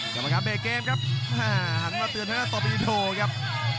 กำลังการเปลี่ยนเกมครับหันมาเตือนเท่านั้นตอบิโดครับ